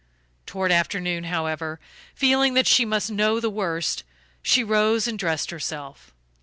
Toward afternoon, however, feeling that she must know the worst, she rose and dressed herself.